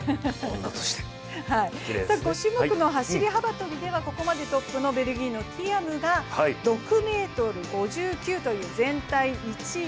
５種目の走幅跳ではここまでトップのトンプソンが６ｍ５９という全体１位。